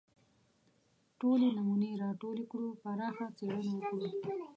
ټولې نمونې راټولې کړو پراخه څېړنه وکړو